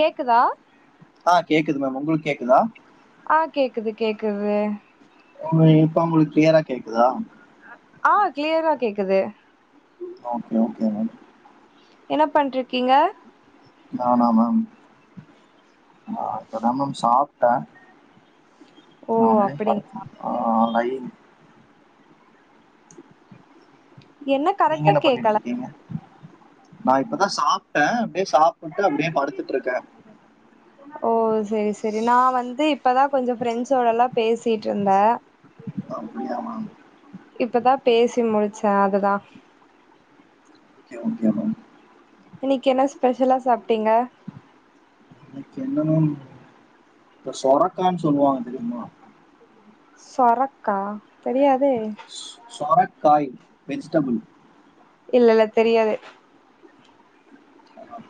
கேக்குதா ஆஹ் கேக்குது மேம் உங்களுக்கு கேக்குதா ஆஹ் கேக்குது கேக்குது ம் இப்ப உங்களுக் க்ளியரா கேக்குதா குது ஓகே ஓகே மேம் என்ன பண்ட்ருக்கீங்க நானா மேம் ஆ இப்பதா மேம் சாப்ட்டே ஓ அப்டிங் [unintelligible] ஆ [unintelligible] என்ன கரெக்ட்டா கேக்கல நா இப்பதா சாப்ட்டே டே சாப்புட்டு அப்டியே படுத்துட்ருக்கே ஓ செரி செரி நா வந்து இப்பதா கொஞ்ச ஃப்ரெண்ட்ஸோடல்லா பேசிட்ருந்த அப்படியா மேம் இப்பதா பேசி முடிச்ச அதுதா ஓகே ஓகே மேம் இன்னைக்கு என்ன ஸ்பெஷலா சாப்ட்டீங்க இன்னக்கி என்னமம் அ சொரக்கான் சொல்லுவாங்க தெரியுமா சொரக்கா தெரியாதே காய் வெஜ்டபிள் இல்லல்ல தெரியாது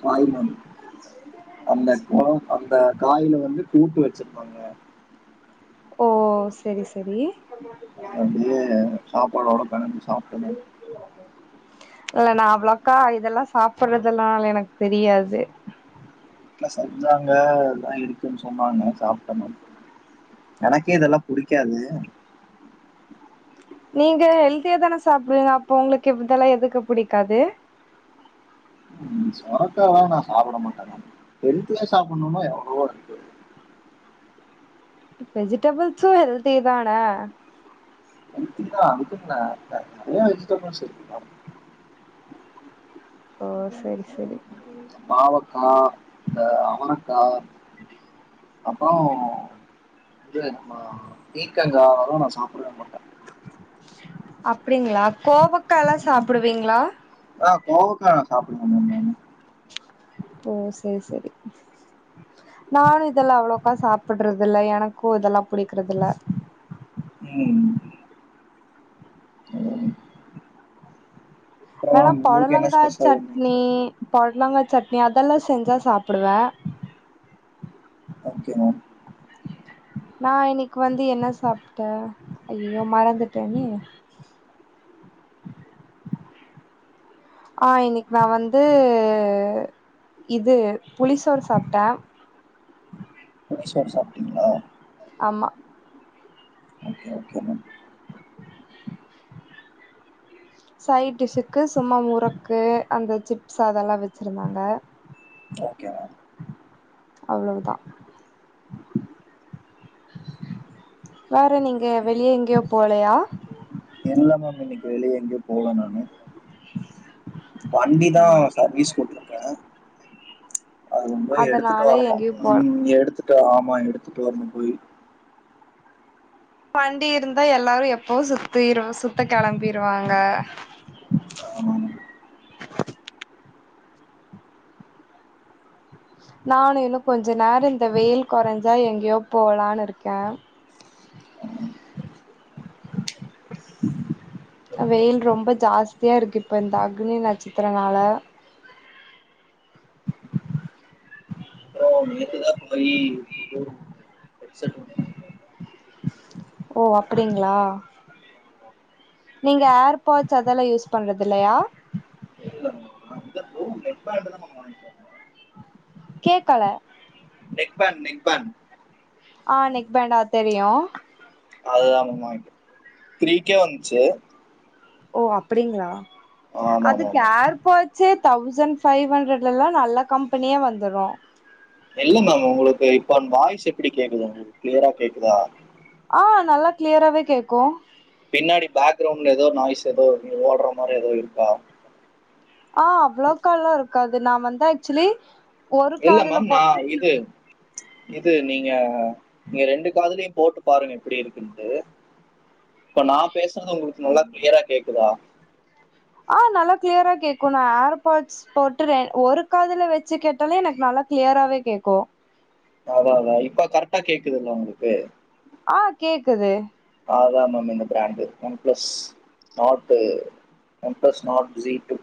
பாய் [unintelligible] அந்த கொழம்பு அந்த காயில வந்து கூட்டு வச்சுருந்தாங்க ஓ செரி செரி அப்டியே சாப்பாடோட பெணஞ்சு சாப்ட மேம் இல்ல நா அவ்ளக்கா இதெல்லா சாப்பர்றதுல்லால எனக் தெரியாது ட்ல செஞ்சாங்க இதுதா இருக்குன் சொன்னாங்க சாப்ட்ட மம் எனக்கே இதெல்லா புடிக் க்காது நீங்க ஹெல்தியா தான சாப்புறிங்க அப்போ உங்ளுக்கு இவ் இதெல்லா எதுக்கு புடிக்காது உம் சொரக்காலா நா சாப்புட மாட்ட மம் ஹெல்த்தியா சாப்புண்ணுன்னா எவ்ளவோ இருக்கு வெஜிடபிள்ஸு ஹெல்த்திதான ஹெல்த்திதா ஒத்துக்குறே அதுக்கு நெறைய வெஜிடபிள்ஸ் இருக்கு மம் ஓ சேரி செ பாவக்கா இந்த அவரக்கா அப்பறோ இது நம்ம பீக்கங்கா அதெல்லா நா சாப்புடவே மாட்டே அப்டிங்ளா கோவக்கால்லா சாப்புடுவீங்ளா ஆ கோவக்கா நா சாப்புடுவ மம் நானு ஓ சேர் சேரி நானு இதெல்லா அவ்ளோக்கா சாப்புட்றதுல்ல எனக்கூ இதெல்லா புடிக்கிறதுல்ல ம் [unintelligible] அப்புறம் வேணா மேம் உங்களுக்கு என்ன பொடலங்கா ஸ்பெஷல் இன்னைக்கு சட்னி பொட்லங்கா சட்னி அதெல்லா செஞ்சா சாப்புடுவே ஓகே மேம் நா இன்னைக்கு வந்து என்ன சாப்ட, ஐய்யய்யோ மறந்துட்டனே ஆஹ் இன்னைக்கு நா வந்து இது புளி சோறு சாப்ட புளிசோர் சாப்டீங்ளா? ஆமா ஓகே ஓகே மேம் சைட்டிஷ்க்கு சும்மா முறக்கு அந்த சிப்ஸ் அதெலாம் வச்சிருந்தாங்க ஓகே மேம் அவ்வளவுதான் வேற நீங்க வெளிய எங்கயும் போலயா? இல்ல மேம் இன்னைக்கு வெளிய எங்கியும் போல நானு வண்டிதா சர்வீஸ் போட்ருக்க அது ரொம்ப எடுத்துட்டு அதனால வரணும் எங்கேயு போல ம் எடுத்து ட்டு ஆமா எடுத்துட்டு வரணும் போய் வண்டி இருந்தா எல்லாரு எப்போ சுத்திரு சுத்த கெளம்பிருவாங்க. ஆமா. நானு இன்னு கொஞ்ச நேரோ இந்த வெயில் கொறஞ்சா எங்யோ போலான்னு இருக்க வெயில் ரொம்ப ஜாஸ்தியாருக்கு இப்ப இந்த அக்னி நட்சத்திரனால ஓ நேத்துதா [unintelligible] எட் செட் ஒன்னு ஓ அப்புடிங்ளா, நீங்க ஏர் பாட்ஸ் அதெல்லா யூஸ் பண்றதில்லையா? இல்ல மேம் இது ப்ரோ நெக் பேண்ட் தான் மேம் வாங்கிட்டு வந்தேன். கேக்கல நெக்பேண் நெக்பேண் அ நெக் பேண்டா தெரியு அதுதாங்மா த்ரீ கே வந்சு ஓ அப்படிங்ளா! ஆமாமா அதுக்கு மேம். ஏர்பாட்ஸே தௌசண் பைவ் ஹண்ட்ரட்லலா நல்ல கம்பெனியா வந்துரு இல்ல மேம் உங்ளுக்கு இப்ப வாய்ஸ் எப்பிடி கேக்குது உங்ளுக்கு க்ளியரா கேக்குதா? ஆ நல்லா க்ளியராவே கேக்கு பின்னாடி பேக்கரவுண்ட்ல எதோ நாய்ஸ் எதோ ஓடுற மாரி எதோ இருக்கா அ அவ்ளோக்கா லா இருக்காது நா வந்து ஆக்ச்சுலி இல்ல மேம் நா இது இது நீங்க நீங்க ரெண்டு காதலுயு போட்டு பாருங்க எப்படி இருக்குன்ட்டு. இப்ப நா பேசுறது உங்ளுக்கு நல்லா க்ளியரா கேக்குதா? அ நல்லா க்ளியரா கேக்கு நா ஏர் பாட்ஸ் போட்டு ரெ ஒரு காதுல வெச்சு கேட்டாலே எனக்கு நல்லா க்ளியராவே கேக்கு அதா அதா இப்ப கரட்டா கேக்குதுல உங்ளுக்கு அ கேக்குது அதா மேம் இந்த brand, OnePlus Nord OnePlus Nord ஷி டூ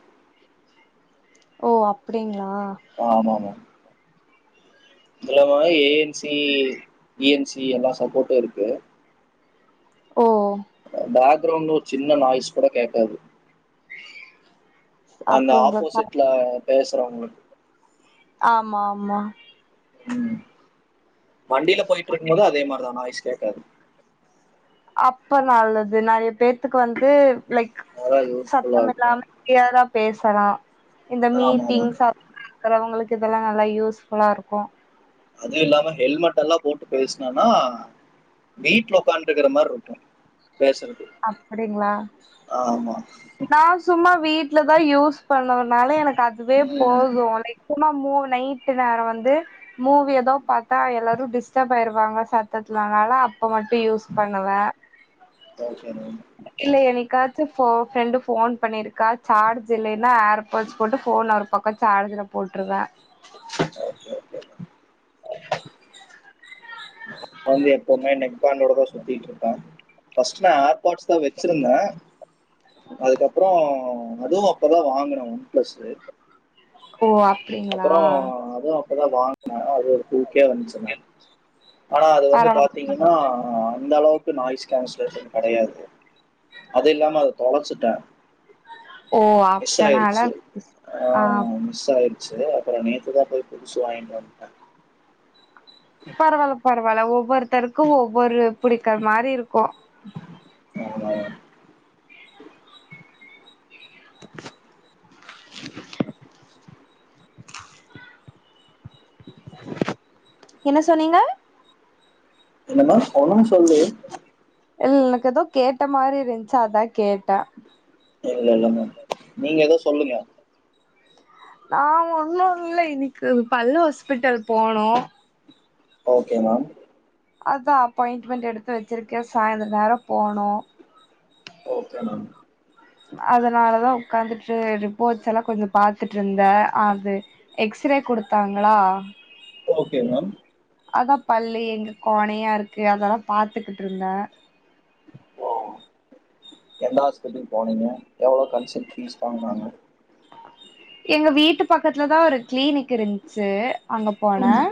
ஓ அப்டிங்ளா! ஆமா ஆமா இதுல மா A N C E N C எல்லா சப்போட்டு இருக்கு ஓ பேக்ரவுண்னு ஒரு சின்ன நாய்ஸ் கூட கேக்காது அந்த அப்ப உங்களுக்கு ஆப்போசிட்ல பேச [unintelligible] ஆமா ஆமா ம் வண்டில போயிட்ருக்கும் போது அதே மாரிதா நாய்ஸ் கேக்காது அப்ப நல்லது நெறைய பேத்துக்கு வந்து லைக் அதான் சத்த யூஸ்ஃபுல்லா இருக்கும் மில்லாம க்ளியரா பேசலா இந்த ஆமா ஆமா மீட்டிங்ஸ் [unintelligible] இருக்கறவங்களுக்கு இதெல்லா நல்லா யூஸ்ஃபுல்லா இருக்கு அது இல்லாம ஹெல்மெட் எல்லா போட்டு பேஸ்னனா வீட்ல உக்காண்டுக்குற மாருக்கு அப்டிங்களா ஆமா நா சும்மா வீட்லதா யூஸ் பண்ணு னால எனக்கு அதுவே ம் போது லைக் நெஜமா மூ நைட்டு நேரொ வந்து மூவி எதோ பாத்தா எல்லாரு டிஸ்டப் ஆயிருவாங்க சத்தத்துலனால அப் ப மட்டு யூஸ் பண்ணுவ ஓகே இல்ல என்னைக்காச்சு போ ஃப்ரெண்டு போன் பண்ணிருக்கா சார்ஜ் இல்லைன்னா ஏர்பாட்ஸ் போட்டு போன் ஒரு பக்கோ சார்ஜ்ல போட்டுருவ ஓகே ஓகே வந்து எப்புமே நெக்பேண்டோடதா சுத்திட்டுருப்ப பஸ்ட் நா ஆர்பா்ட்ஸ்தா வேச்சிருந்த அதுக்கப்றோ அதுவும் அப்பதா வாங்கனோ ஒன் ப்ளஸ்சு [inaudible] அப்டிங்களா அப்புறோ அதும் அப்பதா வாங்கின அது ஒரு டூ கே வந்துச்சுனா ஆனா அது வந்து பரவா பாத்தீங்கன்னா அந்த அளவுக்கு நாய்ஸ் கேன்சலேஷன் கெடையாது அது இல்லாம அத தொலைச்சிட்ட ஓ ஆப்தனால ஆயிடுச்சு ஸ் ஆஹ் சேரி அப்புறோ நேத்துதா போய் புதுசு வாங்கிட்டு வந்ட்ட பரவால்ல பரவா ல்ல ஒவ்வொருத்தருக்கு ஒவ்வொரு புடிக்கிற மாரி இருக்கு ஆமா என்ன சொன்னீங்க என்னம்மா ஒண்ணும் சொல்லியே இல் எனக்கு எதோ கேட்ட மாரி இருந்துச்சு அதா கேட்ட இல்ல இல்லம்மா நீங்க எதோ சொல்லுங்க நா ஒன்னு இல்ல இன்னிக்கு பல் ஹாஸ்பிட்டல் போனு ஓகே மேம் அதா அப்பாயிண்ட்டுமென்ட் எடுத்து வெச்சிருக்க சாயந்தர நேரோ போனு ஓகே மேம் அதனாலதா உக்காந்துட்டு ரிப்போர்ட்ஸ் எல்லா கொஞ்சோ பாத்துட்டுருந்த அது எக்ஸ்ரே குடுத்தாங்ளா ஓகே மேம் அதா பள்ளி எங்க கோணையா இருக்கு அதெல்லா பாத்துகிட்டு இருந்த ஓ எந்த ஹாஸ்பிட்டல் போனீங்க எவ்ளோ கன்சல்ட் ஃபீஸ் வாங்கினாங்க எங்க வீட்டு பக்கத்துலதா ஒரு க்ளீனிக் இருந்ச்சு அங்க போன ம்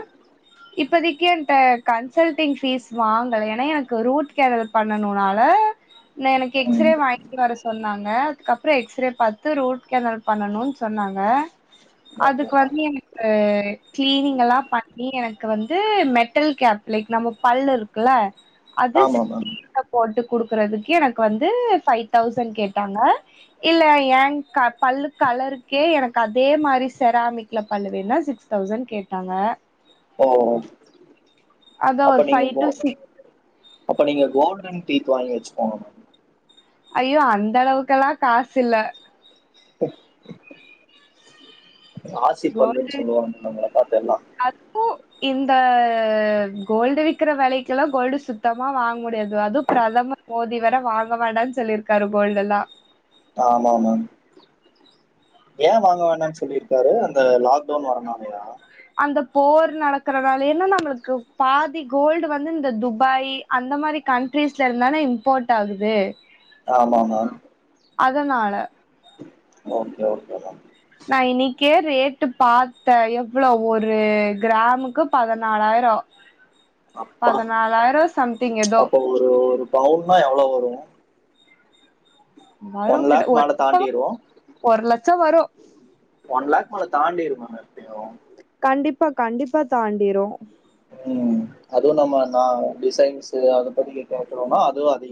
இப்பதிக்கி என்ட்ட கன்சல்டிங் ஃபீஸ் வாங்கல ஏனா எனக்கு ரூட் கேனல் பண்ணனுனால நெ எனக் எக்ஸ்ரே ம் வாங்கிட்டு வர சொன்னாங்க அதுக்கப்புறோ எக்ஸ்ரே பாத்து ரூட் கேனல் பண்ணனு சொன்னாங்க ஓகே அதுக்கு மேம் வந்து எனக்கு க்ளீனிங் எல்லா பண்ணி எனக்கு வந்து மெட்டல் கேப் லைக் நம்ம பல் இருக்குல்ல அது ஆமாம் மேம் [unintelligible] போட்டுக் குடுக்கறதுக்கே எனக்கு வந்து ஃபை தௌசண்ட் கேட்டாங்க இல்ல என் க பல்லு கலருக் கே எனக்கு அதே மாரி செராமிக்ல பல்லு வேன்னா சிக்ஸ் தௌசண்ட் கேட்டாங்க ஹோ அதா ஒரு ஃபை டு சிக் அப்ப நீங்க கோல்டன் டீத் வாங்கி வச்சுக்கோணும் ஐயோ அந்த அளவுக்கெல்லாம் காசு இல்ல ராசி பல்லுனு கோல்டன் சொல்லுவாங்க உங்கள பாத்து எல்லாம் காசு இந்த கோல்டு விக்கிற வெலைக்குல்லாம் கோல்டு சுத்தமா வாங்க முடியாது அதுவும் பிரதமர் மோதி வேற வாங்க வேண்டான்னு சொல்லியிருக்காரு கோல்டுல்லாம் ஆமா ஆமாம் ஏன் வாங்க வேண்டாம்ன்னு சொல்லிருக்காரு அந்த லாக்டவுன் வரனாலயா அந்த போர் நடக்கறனால ஏன்னா நம்மளுக்கு பாதி கோல்டு வந்து இந்த துபாய் அந்த மாரி கண்ட்ரீஸ்ல இருந்துதானே இம்போர்ட் ஆகுது ஆமாமா அதனால ஓகே ஓகேமா நா இன்னைக்கே ரேட்டு பாத்தேன் எவ்ளோ ஒரு கிராமுக்கு பதினாலாயிரோம் அப்பா ஏதோ அப்போ ஒரு ஒரு பவுனு ஆ எவ்ளோ வரும் வரு ஒன் லாக் மாலை தாண்டிரு சோ வரு ஒன் லேக் மேல தாண்டிரும்ம மத்தியம் கண்டிப்பா கண்டிப்பா தாண்டிரோ உம் அதுவு நம்ம நா டிசைன்ஸ்ஸு அத பத்தி கேக்குறோமா அதுவு அதிக